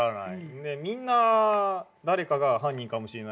みんな誰かが犯人かもしれないし。